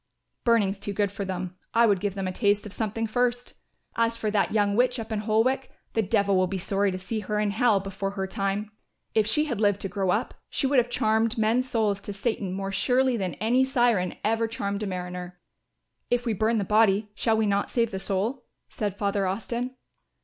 "Burning's too good for them; I would give them a taste of something first. As for that young witch up in Holwick, the Devil will be sorry to see her in Hell before her time. If she had lived to grow up, she would have charmed men's souls to Satan more surely than any siren ever charmed a mariner." "If we burn the body shall we not save the soul?" said Father Austin.